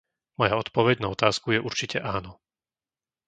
Moja odpoveď na otázku je určite áno.